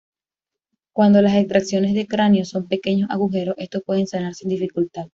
Cuando las extracciones de cráneo son pequeños agujeros, estos pueden sanar sin dificultad.